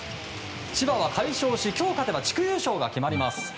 千葉は快勝し今日勝てば地区優勝が決まります。